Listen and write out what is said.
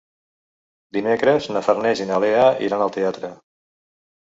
Dimecres na Farners i na Lea iran al teatre.